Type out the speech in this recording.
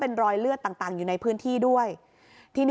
พอหลังจากเกิดเหตุแล้วเจ้าหน้าที่ต้องไปพยายามเกลี้ยกล่อม